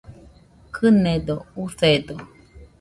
Kɨnedo, usedo